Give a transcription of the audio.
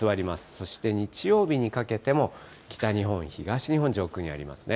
そして日曜日にかけても、北日本、東日本上空にありますね。